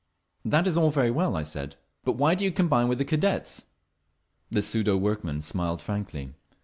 "That is all very well," I said. "But why do you combine with the Cadets?" The pseudo workman smiled frankly.